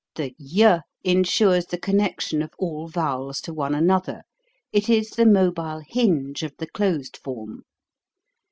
The y insures the connection of all vowels to one another; it is the mobile hinge of the closed form.